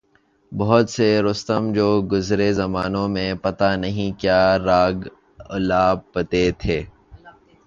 بہت سے رستم جو گزرے زمانوں میں پتہ نہیں کیا راگ الاپتے تھے۔